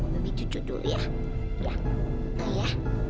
kamu lebih cucu dulu ya ya ya